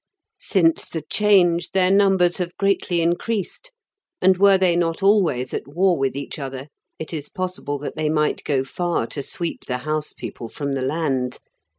Since the change their numbers have greatly increased, and were they not always at war with each other, it is possible that they might go far to sweep the house people from the land.